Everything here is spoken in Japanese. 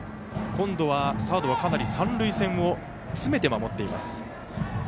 今度はサードは三塁線をを詰めて守っています。